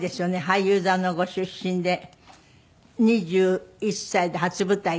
俳優座のご出身で２１歳で初舞台。